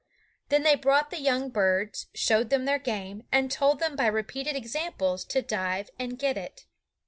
Then they brought the young birds, showed them their game, and told them by repeated examples to dive and get it.